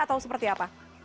atau seperti apa